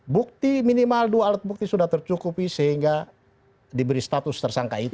bukti minimal dua alat bukti sudah tercukupi sehingga diberi status tersangka itu